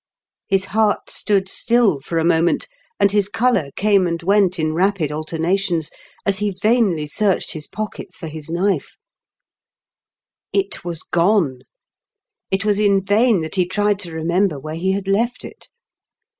His heart stood still for a moment, and his colour came and went in rapid alternations as he vainly searched his pockets for his knife. 2 196 IN KENT WITH CHABLE8 DIGKEN8. It was gone. It was in vain that he tried to remember where he had left it.